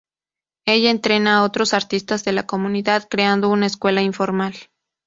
Ella entrena a otros artistas de la comunidad, creando una escuela informal.